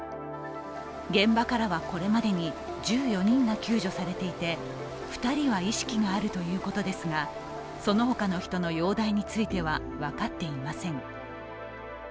現場からは、これまでに１４人が救助されていて２人は意識があるということですがそのほかの人の容体については分かっていません。